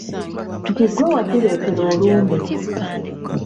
Nti ggwe watuleetera olumbe.